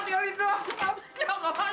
ya allah ya allah